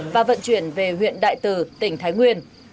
và vận chuyển về huyện đại từ tỉnh thái nguyên